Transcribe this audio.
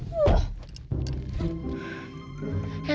lo tuh yang bego